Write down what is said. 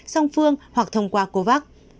song phương hoặc thông qua covax